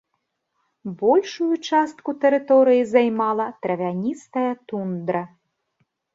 Большую частку тэрыторыі займала травяністая тундра.